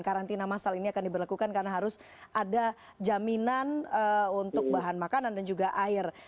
karantina masal ini akan diberlakukan karena harus ada jaminan untuk bahan makanan dan juga air